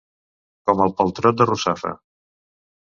Com el paltrot de Russafa.